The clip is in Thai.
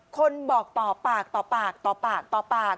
คนบอกต่อปากต่อปากต่อปากต่อปาก